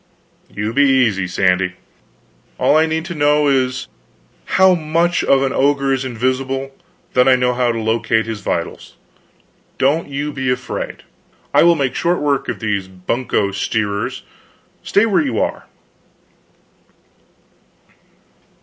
"You be easy, Sandy. All I need to know is, how much of an ogre is invisible; then I know how to locate his vitals. Don't you be afraid, I will make short work of these bunco steerers. Stay where you are."